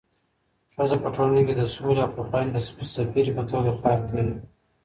ښځه په ټولنه کي د سولې او پخلاینې د سفیرې په توګه کار کوي